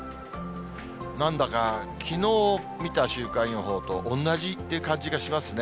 なんだかきのう見た週間予報と同じって感じがしますね。